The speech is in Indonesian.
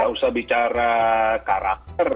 tidak usah bicara karakter